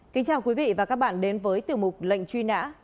kính chào quý vị và các bạn đến với tiểu mục lệnh truy nã